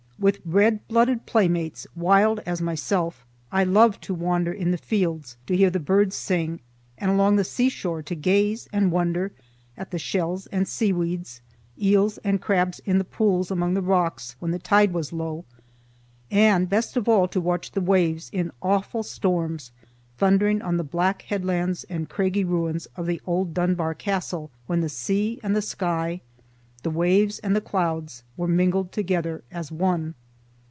With red blooded playmates, wild as myself, I loved to wander in the fields to hear the birds sing, and along the seashore to gaze and wonder at the shells and seaweeds, eels and crabs in the pools among the rocks when the tide was low; and best of all to watch the waves in awful storms thundering on the black headlands and craggy ruins of the old Dunbar Castle when the sea and the sky, the waves and the clouds, were mingled together as one.